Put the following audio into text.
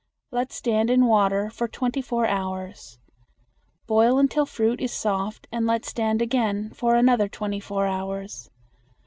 Let stand in water for twenty four hours. Boil until fruit is soft and let stand again for another twenty four hours.